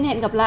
hẹn gặp lại